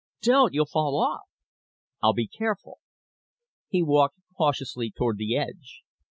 "Don't! You'll fall off!" "I'll be careful." He walked cautiously toward the edge.